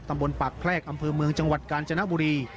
ตำบลปากแพรกอำเภอเมืองจังหวัดกาญจนบุรี